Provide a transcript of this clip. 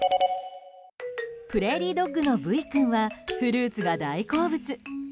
プレーリードッグのブイ君はフルーツが大好物。